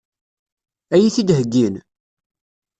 Ad iyi-t-id-heggin?